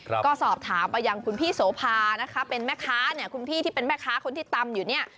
ก็สอบถามไปยังคุณพี่โสภานะคะเป็นแม่ค้าเนี่ยคุณพี่ที่เป็นแม่ค้าคนที่ตำอยู่เนี่ย